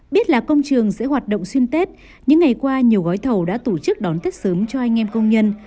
biết là công trường sẽ hoạt động xuyên tết những ngày qua nhiều gói thầu đã tổ chức đón tết sớm cho anh em công nhân